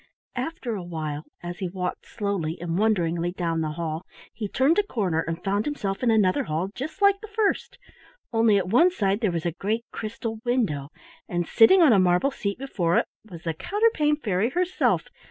After a while, as he walked slowly and wonderingly down the hall, he turned a corner and found himself in another hall just like the first, only at one side there was a great crystal window, and sitting on a marble seat before it was the Counterpane Fairy herself.